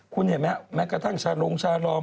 คุณเห็นไหมแม้กระทั่งชาลงชาลอม